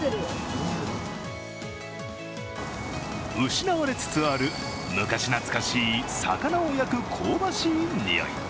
失われつつある昔懐かしい魚を焼く香ばしい匂い。